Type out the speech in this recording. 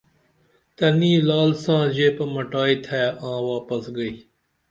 تنی لعل ساں ژیپہ مٹائی تھے آں واپس گئی